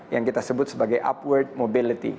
yang kita sebut sebagai upward mobility